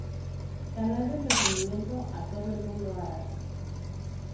Canal de entretenimiento a todo el mundo árabe.